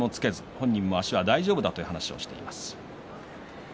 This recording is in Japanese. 本人も足は大丈夫だという話をしています。